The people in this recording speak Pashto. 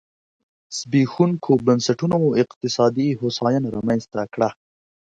زبېښونکو بنسټونو اقتصادي هوساینه رامنځته کړه.